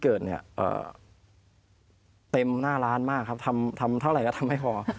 เอ่อเต็มหน้าร้านมากครับทำทำเท่าไหร่ก็ทำไม่พอ